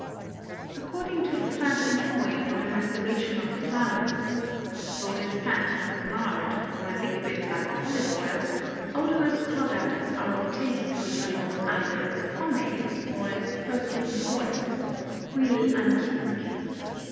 According to the fat employed for the maceration of the flowers—a solid fat like lard or a liquid like olive oil—odorous products are obtained which are known either as pomades or as perfumed oils (huiles antiques).